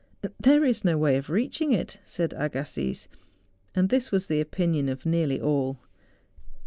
' There is no way of reaching it,' said Agassiz; and this was the opinion of nearly all.